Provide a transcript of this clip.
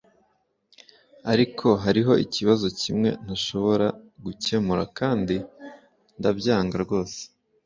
ariko hariho ikibazo kimwe ntashobora gukemura, kandi ndabyanga rwose